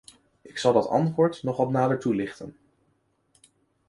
Ik zal dat antwoord nog wat nader toelichten.